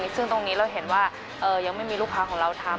ซึ่งตรงนี้เราเห็นว่ายังไม่มีลูกค้าของเราทำ